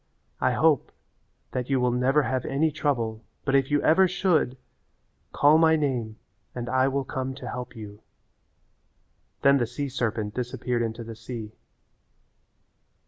I hope that you will never have any trouble, but if you ever should, call my name and I will come to help you." Then the sea serpent disappeared into the sea.